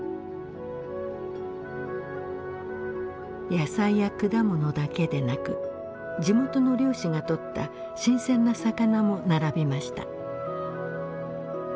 野菜や果物だけでなく地元の漁師が取った新鮮な魚も並びました。